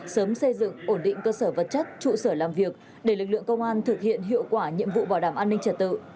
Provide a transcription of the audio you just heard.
sớm xây dựng ổn định cơ sở vật chất trụ sở làm việc để lực lượng công an thực hiện hiệu quả nhiệm vụ bảo đảm an ninh trật tự